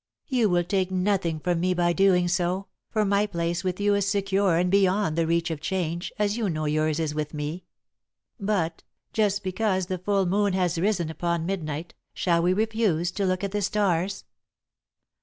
You will take nothing from me by doing so, for my place with you is secure and beyond the reach of change, as you know yours is with me. "But, just because the full moon has risen upon midnight, shall we refuse to look at the stars?